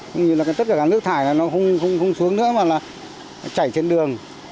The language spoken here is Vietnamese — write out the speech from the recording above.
cũng như là tất cả các nước thải nó không xuống nữa mà là chảy trên đường